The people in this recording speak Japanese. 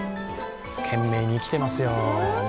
懸命に生きてますよ、ね。